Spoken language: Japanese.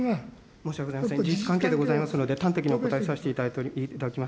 申し訳ございません、事実関係でございますが、端的にお答えさせていただきます。